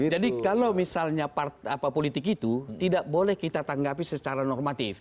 jadi kalau misalnya politik itu tidak boleh kita tanggapi secara terhadap politik